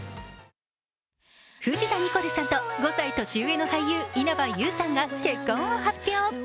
藤田ニコルさんと５歳年上の俳優稲葉友さんが結婚を発表。